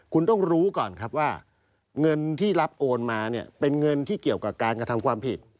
คุณต้องรู้ก่อนครับว่าเงินที่รับโอนมาเนี่ยเป็นเงินที่เกี่ยวกับการกระทำความผิด